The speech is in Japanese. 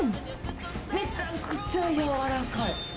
めちゃくちゃやわらかい。